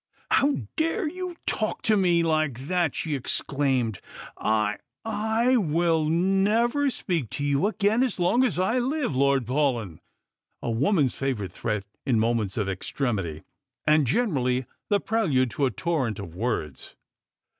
"How dare you talk to me like that? " she exclaimed. " I — I will never speak to you again as long as I Hve, Lord Paulyn." A woman's favourite threat in moments of extremity, and generally the prelude to a toiTent of words.